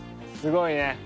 すごいね。